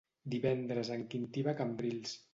Divendres en Quintí va a Cambrils.